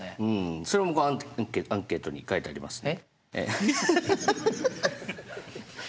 それもアンケートに書いてありますね。